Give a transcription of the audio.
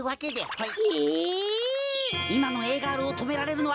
はい！